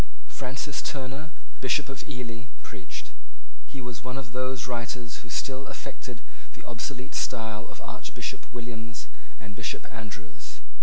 Francis Turner, Bishop of Ely, preached. He was one of those writers who still affected the obsolete style of Archbishop Williams and Bishop Andrews.